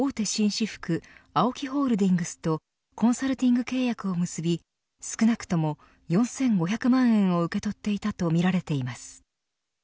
紳士服ＡＯＫＩホールディングスとコンサルティング契約を結び少なくとも４５００万円を受け取っていたとみられています。